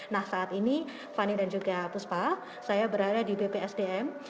nah saat ini fani dan juga puspa saya berada di bpsdm